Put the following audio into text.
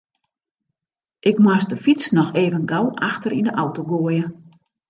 Ik moast de fyts noch even gau achter yn de auto goaie.